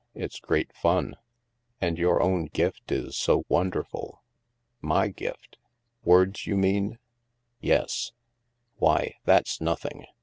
It's great fun." " And your own gift is so wonderful." " My gift? Words, you mean? "" Yes." "Why, that's nothing.